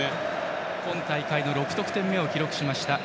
今大会の６得点目を記録しました